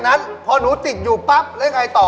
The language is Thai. นาดมสาว